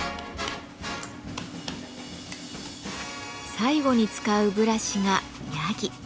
最後に使うブラシがヤギ。